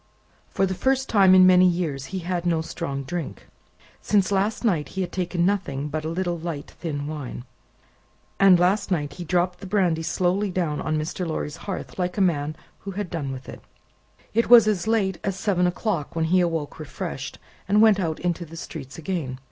For the first time in many years, he had no strong drink. Since last night he had taken nothing but a little light thin wine, and last night he had dropped the brandy slowly down on Mr. Lorry's hearth like a man who had done with it. It was as late as seven o'clock when he awoke refreshed, and went out into the streets again.